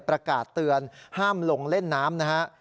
ประกาศเตือนห้ามลงเล่นน้ำนะฮะ